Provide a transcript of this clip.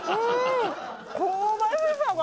香ばしさが。